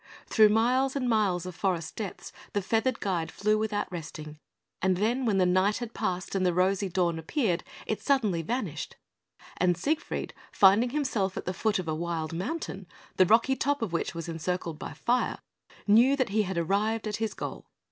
Through miles and miles of forest depths the feathered guide flew without resting; and then, when night had passed and the rosy dawn appeared, it suddenly vanished, and Siegfried, finding himself at the foot of a wild mountain, the rocky top of which was encircled by fire, knew that he had arrived at his goal.